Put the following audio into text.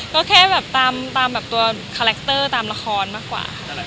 ก็แค่แบบตามแบบตัวคาแรคเตอร์ตามละครมากกว่าค่ะ